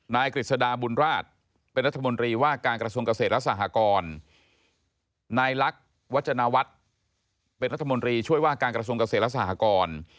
กฤษฎาบุญราชเป็นรัฐมนตรีว่าการกระทรวงเกษตรและสหกรนายลักษณ์วัฒนวัฒน์เป็นรัฐมนตรีช่วยว่าการกระทรวงเกษตรและสหกร